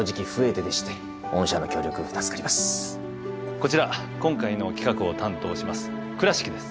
こちら今回の企画を担当します倉敷です。